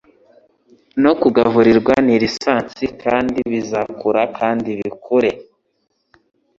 no kugaburirwa na lisansi bizakura kandi bikure